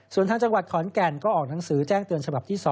ส่วนทางจังหวัดขอนแก่นก็ออกหนังสือแจ้งเตือนฉบับที่๒